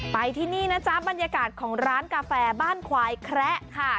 ไปที่นี่นะจ๊ะบรรยากาศของร้านกาแฟบ้านควายแคระค่ะ